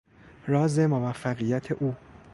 راز موفقیت او